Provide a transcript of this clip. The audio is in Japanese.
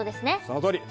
そのとおり。